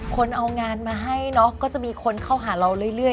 คนเอางานมาให้เนอะก็จะมีคนเข้าหาเราเรื่อย